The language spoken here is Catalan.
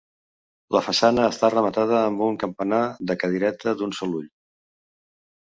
La façana està rematada amb un campanar de cadireta d'un sol ull.